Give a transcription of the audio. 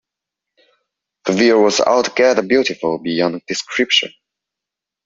The view was altogether beautiful beyond description.